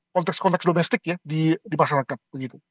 konteks konteks domestik ya di masyarakat begitu